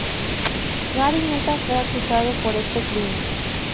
Gary nunca fue acusado por este crimen.